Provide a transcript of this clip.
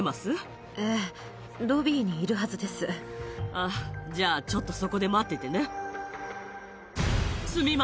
あっじゃあちょっとそこで待っててね。